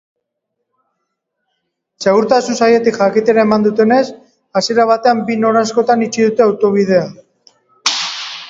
Segurtasun sailetik jakitera eman dutenez, hasiera batean bi noranzkotan itxi dute autobidea.